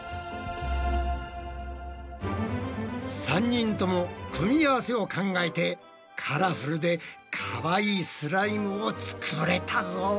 ３人とも組み合わせを考えてカラフルでかわいいスライムを作れたぞ。